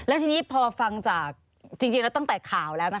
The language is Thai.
แล้วทีนี้พอฟังจากจริงแล้วตั้งแต่ข่าวแล้วนะคะ